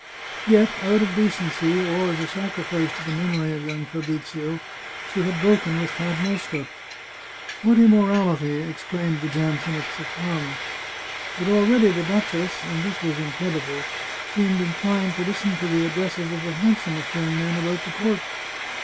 Yet, out of decency, or as a sacrifice to the memory of young Fabrizio, she had broken with Count Mosca. " What immorality !" exclaimed the Jansenists of Parma. But already the duchess (and this was incredible) seemed in clined to listen to the addresses of the handsomest young men about the court.